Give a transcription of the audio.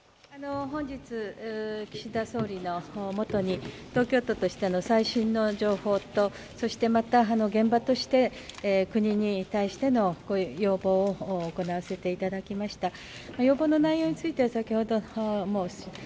本日、岸田総理のもとに東京都としての最新の情報とそしてまた現場として国に対しての要望を行わせていただきました。